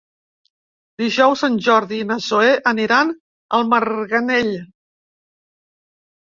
Dijous en Jordi i na Zoè aniran a Marganell.